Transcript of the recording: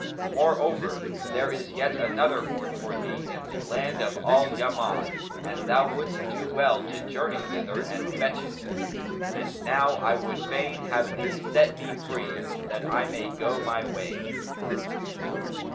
Moreover, there is yet another hoard for thee in the land of Al Yaman and thou wouldst do well to journey thither and fetch it. And now I would fain have thee set me free, that I may go my way."